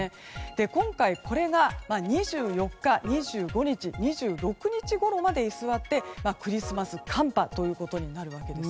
今回、これが２４日、２５日２６日ごろまで居座ってクリスマス寒波となるわけです。